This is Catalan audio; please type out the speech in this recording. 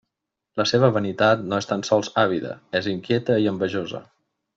La seva vanitat no és tan sols àvida, és inquieta i envejosa.